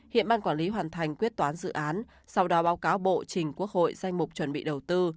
hiện ban quản lý hoàn thành quyết toán dự án sau đó báo cáo bộ trình quốc hội danh mục chuẩn bị đầu tư